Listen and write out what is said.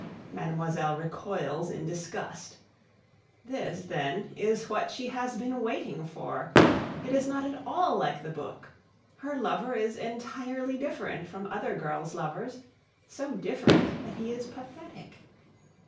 Mademoiselle recoils in disgust. This, then, is what she has been waiting for. It is not at all like the book. Her lover is entirely different from other girls' lovers so different that he is pathetic.